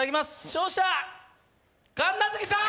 勝者神奈月さん